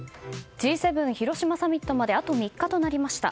Ｇ７広島サミットまであと３日となりました。